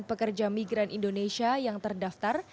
dan pekerja migran indonesia yang terdaftar